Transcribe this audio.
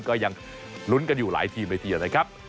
ก็ยังลุ้นกันอยู่หลายทีใบที่แล้วนะครับ